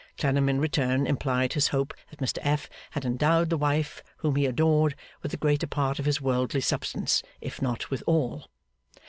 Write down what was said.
Clennam in return implied his hope that Mr F. had endowed the wife whom he adored, with the greater part of his worldly substance, if not with all.